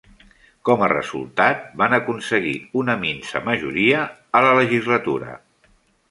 Com a resultat, van aconseguir una minsa majoria a la legislatura.